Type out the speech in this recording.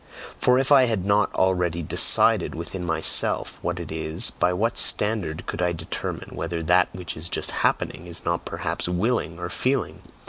For if I had not already decided within myself what it is, by what standard could I determine whether that which is just happening is not perhaps 'willing' or 'feeling'?